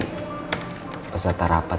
ada orang yang mengatakan